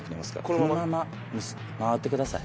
このまま回ってください。